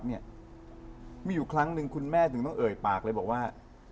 ไม่อยู่ครั้งนึงคุณแม่ต้องเอ่ยปากเลยบอกว่า